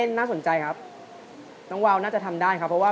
โอ้โหไปทบทวนเนื้อได้โอกาสทองเลยนานทีเดียวเป็นไงครับวาว